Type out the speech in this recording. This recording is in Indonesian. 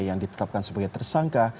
yang ditetapkan sebagai tersangka